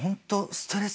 ストレス